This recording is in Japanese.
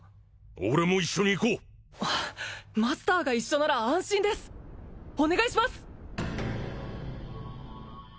俺も一緒に行こうマスターが一緒なら安心ですお願いします！